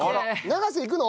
永瀬いくの？